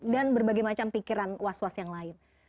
dan berbagai macam pikiran was was yang lain